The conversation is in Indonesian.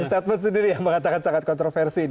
statement sendiri yang mengatakan sangat kontroversi ini